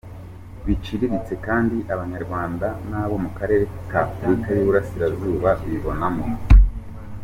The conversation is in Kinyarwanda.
Biciriritse kandi Abanyarwanda n’abo mu karere k’Afurika y’i Burasirazuba bibonamo.